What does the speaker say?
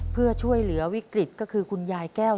เพื่อช่วยเหลือวิกฤตก็คือคุณยายแก้ว